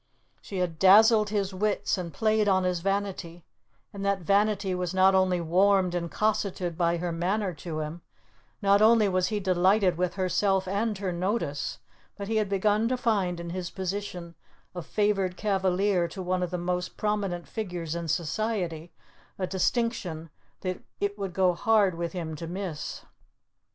She had dazzled his wits and played on his vanity, and that vanity was not only warmed and cosseted by her manner to him, not only was he delighted with herself and her notice, but he had begun to find in his position of favoured cavalier to one of the most prominent figures in society a distinction that it would go hard with him to miss.